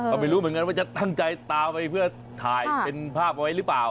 ก็ไม่รู้เหมือนกันว่าจะตั้งใจตามไปเพื่อถ่ายเป็นภาพเอาไว้หรือเปล่า